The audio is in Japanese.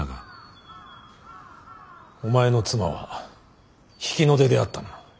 お前の妻は比企の出であったな。